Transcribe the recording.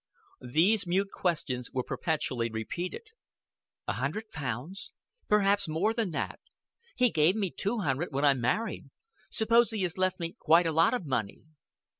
These mute questions were perpetually repeated. "A hundred pounds? Perhaps more than that. He gave me two hundred when I married. Suppose he has left me quite a lot of money."